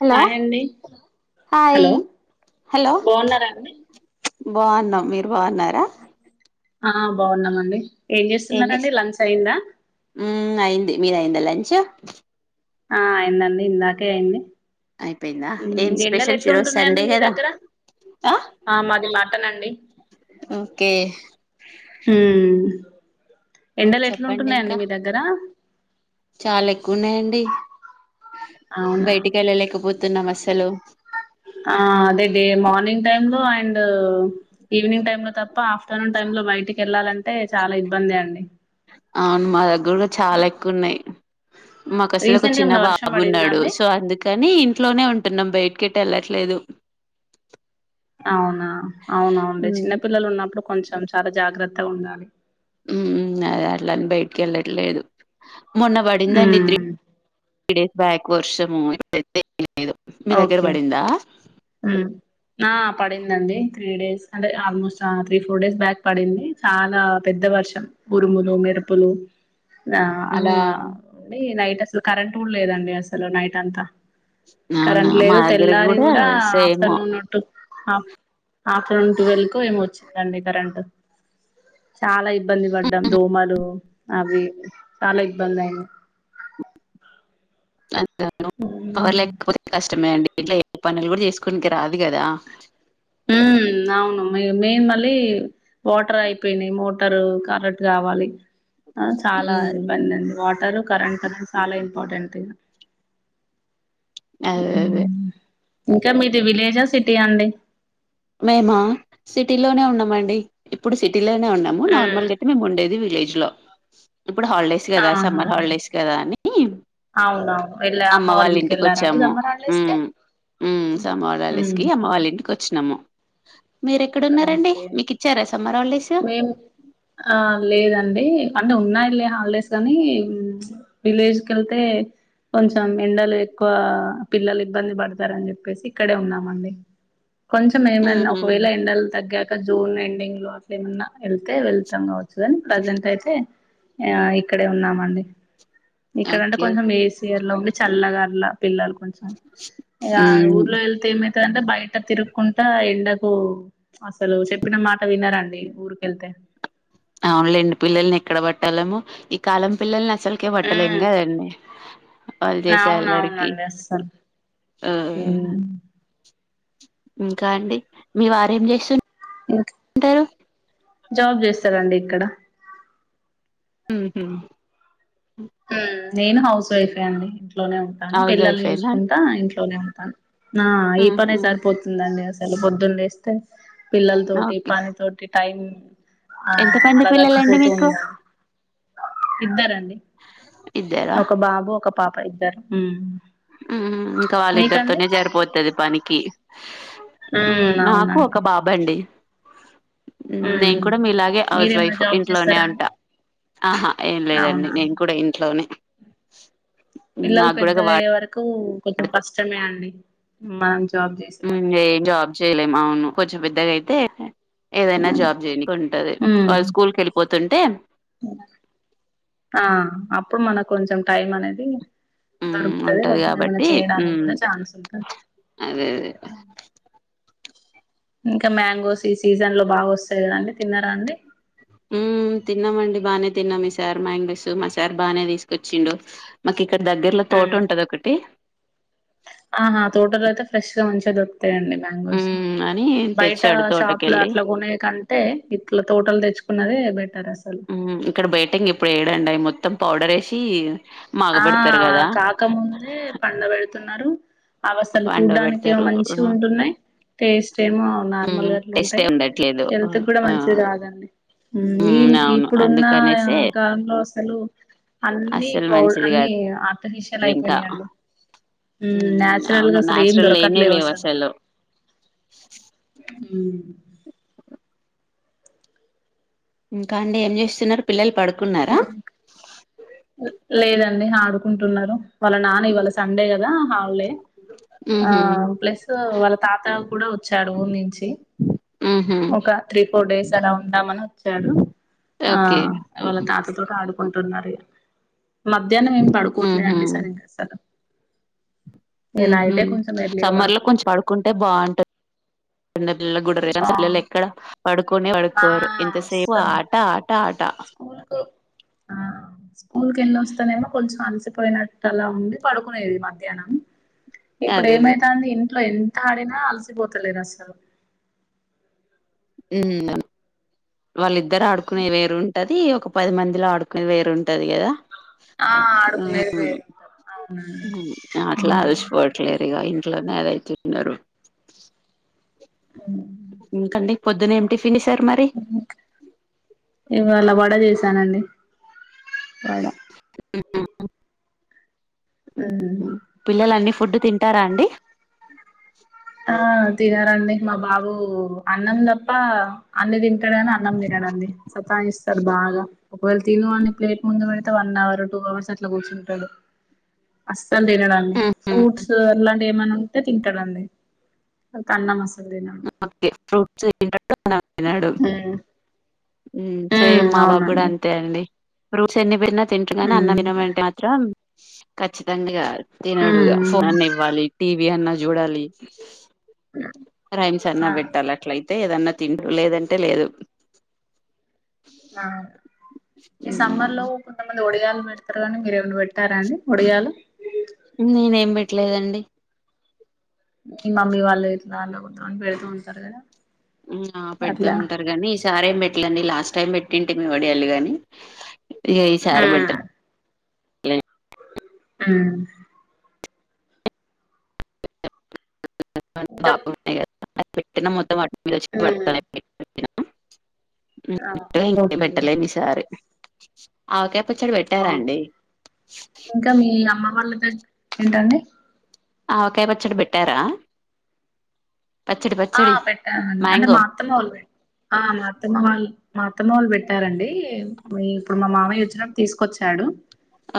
Hello hi అండి hi hello hello బాగున్నారా అండి బాగున్నాం మీరు బగున్నారా ఆ బాగున్నామండి ఏం ఎమ్ చేస్తున్నారండి చేస్తూ లంచ్ అయిందా హ్మ్ అయింది మీది అయిందా లంచ్ అచ్చ ఆ అయిందండి ఇందాకే అయింది అయిపోయిందా ఏం ఎండలు స్పెషల్స్ ఈరోజు ఎట్లుంటున్నాయండి సండే మీ కదా దగ్గర ఆ మాది మాటన్ అండి ఓకే ఎండలు చెప్పండి ఎట్లుంటున్నాయండి ఇంకా మీ దగ్గర చాలా ఎక్కువన్నాయంండి అవునా వెళ్ళలేకపోతున్నాం అసలు ఆ అదే మ మార్నింగ్ టై లో అండ్ ఈవినింగ్ టై లో తప్ప ఆఫ్టర్నూన్ టై లో బయటికి వెళ్లాలంటే చాలా ఇబ్బంది అండి అవును మా దగ్గర కూడా చాలా ఎక్కువు న్నాయి మాకు అసలు ఒక రీసెంట్ గా చిన్న ఏమన్నా వర్షం బాబు పడిందా ఉన్నాడు అండి సో అందుకని ఇంట్లోనే ఉంటున్నాం బయట ఎటు వెళ్ళట్లేదు అవునా అవుఅవునండీ మ్మ్ చిన్నపిల్లలు ఉన్నప్పుడు కొంచెం కొంచం చాలా జాగ్రత్తగా ఉండాలి హ్మ్ హ్మ్ అద అలాని బయటికి వెళ్ళట్లేదు మొన్న పడిందండి త్రి ఉమ్ తీ డేస్ బ్యాక్ వర్షము ఇతే లేదు మీ దగ్గర ఓకే పడిందా ఉమ్ ఆ పడిందండి త్రీ డేస్ అంటే almost three four days back పడింది చాలా పెద్ద వర్షం ఉరుములు మెరుపులు అలా హ్మ్ అండి నైట్ అసలు కరెంట్ కూడా లేదండి అసలు నైట్ అంతా అవునా కరెంట్ మా లేదు దగ్గర తెల్లారి కూడా సేమ్ ఆఫ్టర్నూన్టుఫ ఆఫ్టర్నూన్ ట్వెల్వ్ కు ఏమో వచ్చిందండి కరెంట్ చాలా ఇబ్బంది పడ్డాం దోమలు అవి చాలా ఇబ్బంది అయింది [inaudible] ఉమ్ పవర్లేకపోతే కష్టమే అండి ఇట్లా ఏ పనులు కూడా చేసుకుడానికి రాదు కదా హ్మ్ అవును మెయిన్ మళ్ళీ వాటర్ అయిపోయినాయి మోటారు కరెట్ కావాలి చాలా హ్మ్ ఇబ్బంది అండి వాటరు కరెంట్ అది చాలా ఇంపార్టెంట్ థింగ్ అదే అదే ఇంకా మీది విలేజా సిటీ అండి మేమ సిటీ లోనే ఉన్నామ అండి ఇప్పుడు సిటీ లనే ఉన్నాము ఉమ్. నార్మల్గా అతే మేము ఉండేది వీల జ్లో ఇప్పుడు హాలిడేస్ గదా ఆహా సమ్మర్ హాలిడేస్ గదా అని అవునవును వెళ్ళ అమ్మ వాళ్ళ ఇంటికి వెళ్ళారండి వచ్చాము సమ్మర్ హాలిడేస్ కి ఉమ్ ఉమ్ సమ్మర్ ఉమ్. హాలిడేస్కి అమ్మ వాళ్ళ ఇంటికి వచ్చినాము. సు ఓకే హాలిడేస్? మేము ఆ లేదండి అంటే ఉన్నాయి వెళ్ హాలిడేస్ అని విలేజ్ క వెళ్తే కొంచెం ఎండలు ఎక్కువ పిల్లలు ఇబ్బంది పడతారని చెప్పేసి ఇక్కడే ఉన్నామండి కొంచెం హ్మ్ ఏమన్నా హు ఒకవేళ ఎండల్ తగ్గాక జోరు న ఎండింగ్ లో అట్ ఏమన్నా వెళ్తే వెళ్తాము ప్రెజెంట్ అయితే అ ఇక్కడే ఉన్నామండి ఇక్కడంటే ఓకే కొంచెం ఏసి డి చల్లగార్లా పిల్లలు కొంచెం ఆ హ్మ్ ఊర్లో వెళ్తే మ అంటే బయట తిరుక్కుంటా ఎండకు అసలు చెప్పిన మాట వినరండి ఊరికెళ్తే అవునులేండి పిల్లల్ని ఎక్కడ పట్టాలము ఈ కాలం పిల్లల్ని సల్ కె పట్టలేము కదండి వాళ్ళు చేసే అవున అల్లరికి అవునండి అసలు ఆ ఇంకా అండి మీ వారేం చేస్తు ఇంకా టారు జాబ్ చేస్తారంండి ఇక్కడ ఊహు నేను హౌస్ వైఫె అండి ఇంట్లోనే ఉంటాను హౌస్ పిల్లని వైఫేనా చూసుకుంటా ఇంట్ ఇంట్లోనే ఉంటాను ఆ ఈ ఊహూ పనే సరిపోతుందండి అ లు పొద్దున్న లేస్తే పిల్లల తోటి పని తోటి టైం ఆ ఎంత మంది అలా పిల్లలండి గడిచిపోతూ మీకు ఉందండి ఇద్దరండి ఇద్దరా [unintelligible] ఒక బాబు ఒక పాప ఇద్ రూ ఇంకా వాళ్ళిద్దరితోనే సరిపోతుది పనికి ఉమ్ నాకు ఒక అవునండి బాబ్ అండి ఉమ్ నేను కూడా మీలాగే ఓకే హౌస్ మీరేమైనా వైఫ్ జాబ్ ఇంట్లోనే చేస్తారా ఉంట అండి ఆహా ఏం లేదండి అవునా అండి నేను కూడా ఇంట్లోనే [unintelligible] పిల్లలు నాకు కూడా వాడు పెద్దగయ్యే వరకు కొంచెం కష్టమే అండి మన ఏం జాబ్ చేయలేం అవును కొంచెం పెద్దగా అయితే ఏదైనా జాబ్ చేయనికి ఉంటది ఉమ్ వాళ్ళు స్కూల్ కి వెళ్ళిపో తుంటే ఆ అప్పుడు మన కొంచెం టైం అనేది హ్మ్. దొరుకుతుంది ఉంటది కొంచెం ఏమైనా గాబట్టి చేయడానికి హ్మ్. కూడా ఛాన్స్ ఉంటంది అదే అదే. ఇంకా మ్యాంగోస్ ఈ సీజన్ లో బాగా వస్తాయి కదండి తిన్నారా అండి తిన్నామండి బాగానే తిన్నాం ఈ సార్ మాంగోస్ మా సార్ బానే తీసుకొచ్చిండు మాకి ఇక్కడ దగ్గరలో తోట ఉంటది ఒకటి ఆా తోటలో అైయితే ఫ్రెష్గా మంచిగా దొరుకు తాయి అండి మ్యాంగోస్ హ్మ్. అని బయట తెచ్చాడు షాప్ లో తోటకెళ్ళి. అట్లా కొనేకి అంటే ఇట్లా తోటలు తెచ్చు న్నదిే బ ఇక్కడ బయటికి ఇప్పుడు ఏడంండియి మొత్తం త్తం పౌడర్ వేసి ఆ కాక ముందు పండ బెడ్ తున్నారు అవసలు చూడ్డానికి ఏమో పండబెడతారు. మంచి ఉంటున్నాయి టేస్ట్ ఏమో నార్మల్ హ్మ్. గ అట్లు టేస్టే ఉంటాయి ఉండట్లేదు. హెల్త్ కూడా ఆ! మంచిది కాదండి మేమ్ ఉమ్ అవును ఇప్పుడున్న అందుకనేసే [unintelligible] అస్సలు అన్ని అస్సలు ఫుడ్ మంచిది అన్ని కాదు ఆర్టిఫిషియల్ ఇంకా అయిపోయినాయి అండి ఉమ్ నయాచురల్గా అవును అసలు ఏం నాచురల్ లేనే దొరకట్లేవు లేవు అసలు ఉమ్ ఇంకా అండి ఏం చేస్తున్నారు పిల్లలు పడుకున్నారా లేదా లేదు ఆడుకుంటున్నారు వాళ్ళ నాన్న వాళ్ళ సండే కదా హాలిడే. ఆ ఉహు ప్లస్ వాళ్ళ తాత కూడా వచ్చాడు ఊరి నుంచి ఉహు ఒక త్రీ, ఫోర్ డేస్ అలా ఉందామని వచ్చాడు. ఆ ఓకే వాళ్ళ తాతతో ఆడుకుంటున్నారు ఇగ మధ్యాహ్నం ఏం పడుకోవట్లేదండి సరిగ్గా అస్సలు హ్మ్ హు కొంచెం ఎర్లీగా సమ్మర్ లో కొంచెం పడుకుంటున్నారు పడుకుంటే బాగుంటుంది. చిన్నపిల్లలు కూడా రెస్ట్ [inaudible] బాగుంది ఎక్కడ పడుకొనే ఆ పడుకోరు ఎంతసేపు అస్సలు ఆట ఆట ఆట స్కూల్ కు ఆ స్కూల్ కి ఎళ్ళోస్తేనేమో కొంచెం అలసిపోయినట్టు అలా ఉండి పడుకునేది మధ్యాహ్నం. ఇప్పుడు అదే అదే ఏమైతాంది ఇం ట్ల ఎంత ఆడినా అలసిపోతలేరు అస్సలు మ్మ్ వాళ్ ద్దరు ఆడుకునే వేరు ఉంటది ఒక పది మందిలో ఆడుకుని వేరుంటది కదా. ఆ ఆడుకునేది మ్మ్‌ వేరు అవునండి మ్మ్ అట్లా అలిసిపోవట్లేరు ఇగ ఇం ట్లనే అదే చెప్పినరు ఇంక అండి పొద్దున్న ఏం టిఫ్ ఇవాళ వడ చేస్ తానండి ఉమ్ [inaudible] పిల్లలన్నీ ఫుడ్ తింటారా అండి? ఆ తినారండి మా బాబు అన్నం తప్ప అన్ని తిం టడు కాని అన్నం తినడండి సతాయిస్తడు బాగా. ఒకవేళ తిను అని ప్లేట్ ముందు పెడితే వన్ అవర్, టూ అవర్స్ అట్లా కూర్చుంటడు. అస్ స్సలు తినడు అండి హుహు. ఫ్రూట్స్ అలాం ఏమన్న ఉంటే తింటడండి. ఇంకన్నామస్ [inaudible] తినడు ఉమ్ మ్మ్ సేమ్ ఉమ్ మా బాబు కూడా అవునండి అంతే అండి. ఫ్రూట్స్ ఎన్ని పెట్టినా తింటరు గానీ, అన్నం ఉమ్ తినమంటే మాత్రం ఖచ్చితంగా రారు తినడు ఇగ ఫోన్ ఉమ్ అన్నా ఇవ్వాలి, టీవీ అన్నా చూడాలి. [inaudible] ఆ రైమ్స్ అన్నా పెట్టాలి అట్లయితే ఏదన్నా తింట లేదంటే లేదు అ ఈ సమ్మర్ హ్మ్. లో కొంతమంది ఒడియలు పెడతారు కానీ మీరురేమని పెట్టారండి ఒడియ లు నేనేం పెట్టలేదండి ఈ మమ్మీ వాళ్ళు ఇట్లా అళద్దామని పెడుతూ ఉంటారు కదా ఆ పెతూ అట్లా ఉంటారు కాగానీ ఈ సార ఏం పెట్టలేండి లాస్ట్ టైం పెట్ ఇంటికి మే వడయాలి గాని ఎయయి సార్ ఉమ్ బెటలే అలా ఆ [inaudible] ఇంకా అప్పుడు పెటిన మొత్తం [unintelligible] ఆ ఓకే పెట్టలే ఈసారి అవుకే ప్పచ్చడి పెట్టారా ఓకే అండి ఇంకా మీ అమ్మ వాళ్ళ ఏంటండి ఆవకాయ పచ్చడి పెట్టారా పచ్చడి ఆ పచ్చడి పెట్టానండి అంటే మ్యాంగో మా అత్తమ్మవాలు ఆ మాతమ్మల్ అత్తమ్మవాళ్ళు పెట్టారండి ఇప్పుడు మా మామయ్య వచ్చినప్పుడు తీసుకొచ్చాడు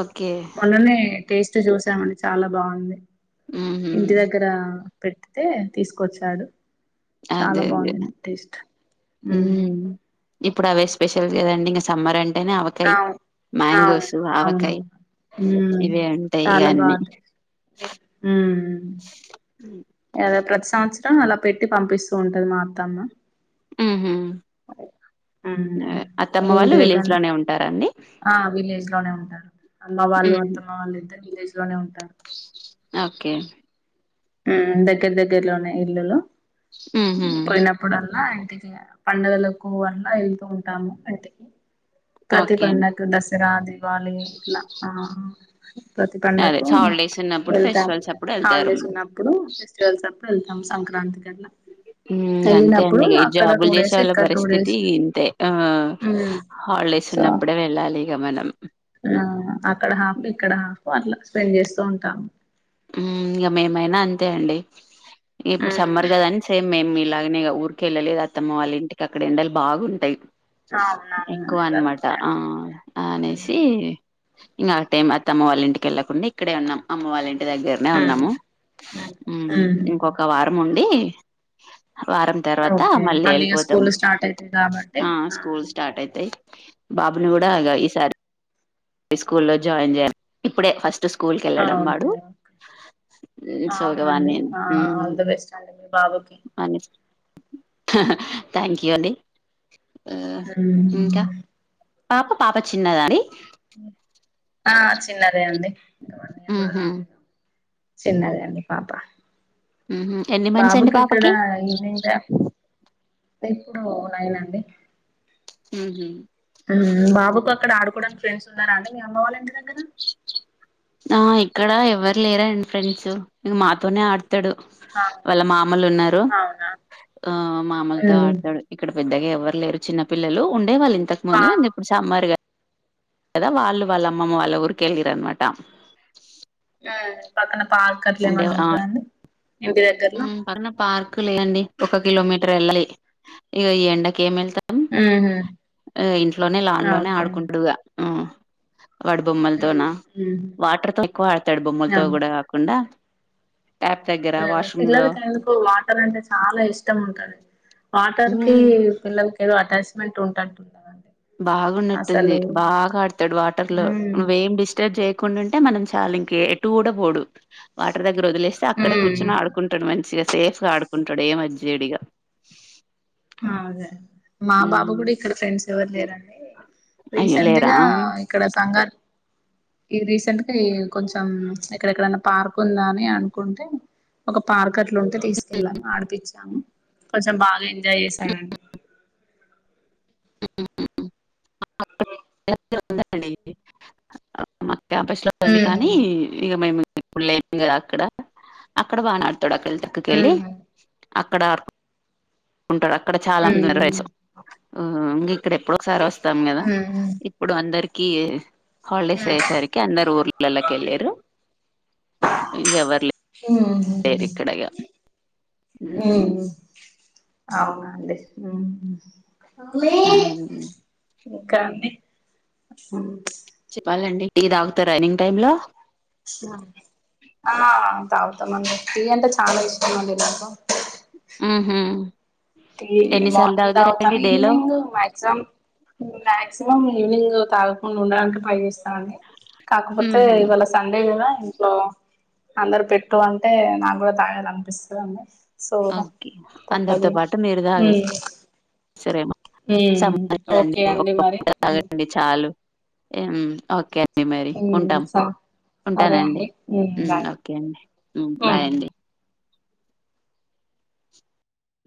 ఓకే మొన్ననే టేస్ట్ చూసామండి చాలా బాగుంది ఉహు ఇంటి దగ్గర పెట్తే తీసుకొచ్చాడు చాలా అదే అదే బాగుందింది అండి టేస్ట్ ఉమ్ ఇప్పుడు అవే స్పెషల్ చేయండి ఇంకా సమ్మర్ అండి ఆవు అవు అవును ఆవకాయ్ ఇవే ఉంటాయి ఇగ చాలా అన్నీ బాగు ఏదా ప్రతి సంవత్సరం అలా పెట్టి పంపిస్తూ ఉంటది మాత్తమ్మ ఆహా వాళ్ళు ఏంటి దగగ విలేజ్ లోనే ఉంటారా అండి ఆ విలేజ్ లోనే ఉంటారు అమ్మ వాళ్ళు ఉహు అత్తమ్మ వాళ్ళు ఎంత నీర లోనే ఉంట ఓకేండి దగ్గర దగ్గరలోనే ఇల్లులో ఉహు పోయినప్పుడల్లా సిగ పండుగలకు అన్న వెళ్తూ ఉంటాము అంత ప్రతి ఓకే అండి పండకు దసరా దివాలి ఇలా ఆ ప్రతి అదే పండకు హాలిడేస్ ఉన్నప్పుడు యెళ్తాం ఫెస్టివల్స్ అప్పుడు వెళ్తారు హాలిడేస్ ఉమ్ ఉన్న ఫెస్టివెల్స్ అప్పుడెల్ తాం సంక్రాంత మ్ అంతే అండి ఇగ అక్కడ టూ జాబులు చేసే డేస్ వాళ్ళ ఇక్కడ టూ పరిస్థితి డేస్ ఇంతే ఆ ఉమ్ హాలిడేస్ సో ఉన్నప్పుడే వెళ్ళాలి ఇక మనం ఆ అక్కడ హాఫ్ ఇక్కడ హాఫ్ అట్లా స్పెండ్ చేస్తూ ఉంటాము ఇంక మేమైనా అంతే అండి ఇప్పుడు సమ్మర్ గదా అని సేమ్ మేమ్ మీ ఇలాగనే ఊరికెళ్ళలేదు అత్తమ్మ వాళ్ళ ఇంటికి అక్కడ ఎండలు బాగుంటాయి అవునవును ఎక్కువ అందరూ అన్నమాట ఆ ఉంటారు అనేసి ఇంగ టైం అత్తమ్మ వాళ్ళంటికి వెళ్లకుకుండా ఇక్కడ ఉం అమ్మ వాళ్ళ ఇంటికి టి దగ్గరనే ఉన్నాము ఉహు ఇంకొక వారం వారం తర్వాత ఓకే మళ్ళీ ఇగ యెళ్ళిపోతాం స్కూల్ స్టార్ట్ అయితాయి కాబట్టి ఆ స్కూల్ స్టార్ట్ అయితాయి బాబును గూడ ఇగ ఈ సారి హై స్కూల్లో జాయిన్ జెయాలి ఇప్పుడే ఫస్ట్ స్కూల్ క వెళ్ళడం వాడు ఓకే ఓకే అవునండి సోగవాన్ని ఆ ఆల్ ద బెస్ట్ అండి మీ బాబుకి అనిస్ థ్యాంక్ యూ అండి ఆ ఉమ్ ఇంకా పాప పాప చిన్నదాని ఆ చిన్న దే అండి ఇంకా వన్ ఇయర్ కూడా ఊహు చిన్నదే అండి పాప ఊహు ఎన్ని మన్త్స్ అండి బాబుకి ఇక్కడ పాపకి ఈవినింగ్ టైం ఇప్పుడు నయినండి ఊహు బాబుకు అక్కడ ఆడుకోవడానికి ఫ్రెండ్స్ ఉన్నారా అండి మీ అమ్మ వాళ్ళ ఎంటి దగ్గర ఆ ఇక్కడ ఎవ్వరు లేరండి ఫ్రెండ్స్ మాతోనే ఆడుత తడు అవును వాళ్ళ మామలున్నారు అవునా ఆ మామలుతో ఉమ్ ఆడతాడు ఇక్కడ పెద్దగా ఎవ వరు లేరు చిన్న పిల్లలు ఉన్ [inaudible] వాళ్ళింతకు ముందు పార్క్ ఇప్పుడు సామ్మర్గా కదా వాళ్ళు వాళ్ళమ్మమ్మ వాళ్ళ ఊరికెళ్ళిరనమా ట మ్ పక్కన పార్క్ అట్లేమన్నా ఆ ఉంటదాండి ఇంటి దగ్గర్లో కులేండి ఒక కిలోమీటర్ ఎళ్ళాళ్ళి ఇగ ఈ ఎండకి ఏమెళ్తా ఊహూ ఆ ఇంట్లోనే లాన్ లోనే ఆడుకుంటుడుగా వాడు బొమ్మలతోన ఉమ్ ఉమ్ వాటర్ తో ఎక్కువ ఆడతాడు బొమ్మలతో కూడా కాకుండా ట్యాప్ దగ్గర వాష్రూమ్ లో పిల్లలకెందుకో వాటర్ అంటే చాలా ఇష్టం ఉంటుంది వాటర్ కి పిల్లల్ కి ఏదో అటాచ్మెంట్ ఉంటట్టుంటదండి బాగున్నట్టుంది అసలు బాగా ఆడతాడు వాటర్ లో ఉమ్ నువ్వేం డిస్టర్బ్ చేయ కుండుంటే మనం చాలింక ఎటు కూడా పోడు వాటర్ దగ్గర వొదిలేస్తే అక్కడే కూర్చొని ఉమ్ ఆడుకుంటాడు మంచిగా సేఫ్గా ఆడుకుంటాడు ఏమతిచేయడిగ అ అదే మా బాబు కూడా ఇక్కడ ఫ్రెండ్స్ ఎవరు లేరండి అయ్యో రీసెంట్ లేరా గా ఇక్కడ సంగ ఈ రీసెంట్గా ఈ కొంచెం ఎక్కడెక్కడన్నా పార్క్ ఉందా అని అనుకుంటే ఒక పార్క్ అట్లుంటే తీసుకెళ్ళాము ఆడిపిచ్చాము కొంచెం బాగెం జాయ్ చేశాడండి [unintelligible] ఉందండి [unintelligible] క్యాంపస్ లో ఉంది కానీ ఇగ మేము ఇప్పుడ్ లే [unintelligible] అక్కడ అక్కడ బానే [unintelligible] తొడకెళ్ళి తక్కకెలి అక్కడార్ ఉంటాడక్కడ చాలా [unintelligible] ఇక్కడ ఎప్పుడోసారి వస్తాం కదా ఇప్పుడు అందరి కియె హాలిడేసయ్యేసరికి అందరు ఊర్ల లల్లకెళ్ళేరు ఇ ఎవర్ హ్మ్. [unintelligible] అవునండి ఆ ఇంకా అండి చెప్పాలండి టీ తాగుతారా ఈవినింగ్ టైమ్ లో ఆ తాగుతామండి టీ అంటే చాలా ఇష్టం అండి నాకు హ్మ్ మ్మ్ అది మార్నింగ్ తాగుతాను లో ఈవ్నింగ్ మాక్సిమం మాక్సిమం ఈవినింగ్ తాగకుండా ఉండడానికి ట్రై చేస్తా అండి కాకపోతే ఉహు ఇవాళ సండే కదా ఇంట్లో అందరు పెట్టు అంటే నాకు కూడా తాగాలి అనిపిస్తుందిండి అకే అందరితో పాటు మీరు ఉమ్ తాగేసే సరేమ్ ఉమ్ ఓకే సంబధదండి అండి మరి ఉమ్ ఒప్పుగండి చాలు [inaudible] హ్మ్ ఓకే ఒకే మరీ ఉమ్ ఉంటాం స సరే ఉంటానండి అండి ఉమ్ బాయ్ ఓకే అండి బాయ్ ఉమ్ అండి